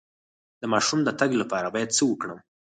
د ماشوم د تګ لپاره باید څه وکړم؟